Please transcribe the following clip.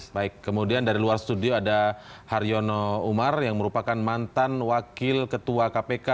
baik kemudian dari luar studio ada haryono umar yang merupakan mantan wakil ketua kpk